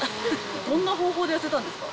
どんな方法で痩せたんですか？